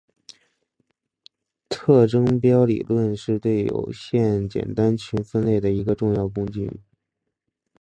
特征标理论是对有限简单群分类的一个有重要的工具。